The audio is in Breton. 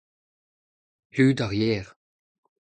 Klud ar yer.